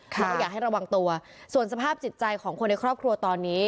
แล้วก็อยากให้ระวังตัวส่วนสภาพจิตใจของคนในครอบครัวตอนนี้